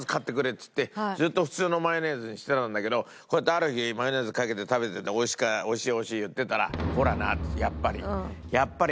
っつってずっと普通のマヨネーズにしてたんだけどこうやってある日マヨネーズかけて食べてて「おいしいおいしい」言ってたら。